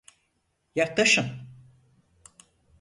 Yaklaşın!